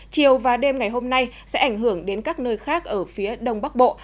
chiều và đêm ngày hôm nay sẽ ảnh hưởng đến các nơi khác ở phía đông bắc bộ